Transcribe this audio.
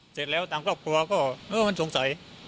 เสร็จแล้วทางครอบครัวก็เออมันสงสัย